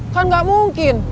kan gak mungkin